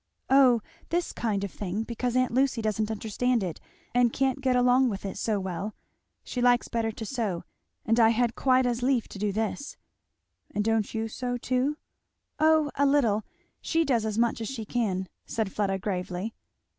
"O, this kind of thing, because aunt Lucy doesn't understand it and can't get along with it so well. She likes better to sew, and I had quite as lief do this." "And don't you sew too?" "O a little. She does as much as she can," said Fleda gravely.